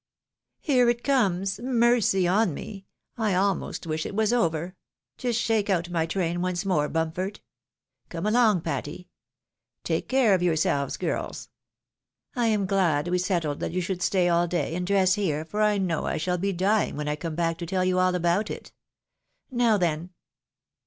" Here it comes ! mercy on me ! I almost wish it was over ! Just shake out my train once more, Bumpford : come along, Patty. Take care of yourselves, girls ! I am glad we settled that you should stay all day, and dress here, for I know I shall be dying when I come back to tell you all about it. Now then